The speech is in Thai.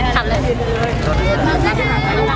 กราบนี้ครับ